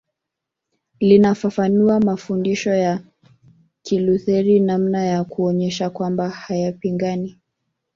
Linafafanua mafundisho ya Kilutheri namna ya kuonyesha kwamba hayapingani